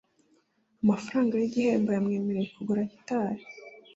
Amafaranga yigihembo yamwemereye kugura gitari